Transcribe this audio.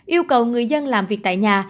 yêu cầu người dân làm việc tại nhà